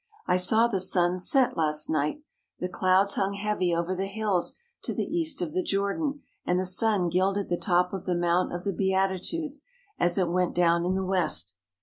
I saw the sun set last night. The clouds hung heavy over the hills to the east of the Jordan and the sun gilded the top of the Mount of the Beatitudes as it went down in the west.